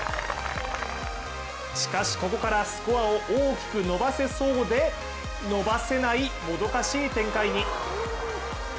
しかしここからスコアを大きく伸ばせそうで伸ばせないもどかしい展開に。